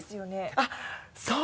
あっそう！